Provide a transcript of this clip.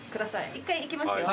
１回いきますよ。